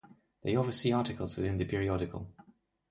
They oversee articles within the periodical